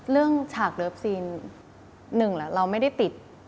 เรื่องฉากเลิฟซีนหนึ่งแหละเราไม่ได้ติด